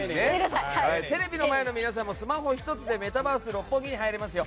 テレビの前の皆さんもスマホ１つでメタバース六本木に入れますよ。